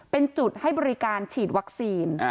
เป็นจุดให้บริการฉีดวัคซีน